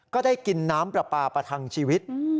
ก็ได้กินน้ำปลาปลาประทังชีวิต